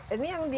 ini yang di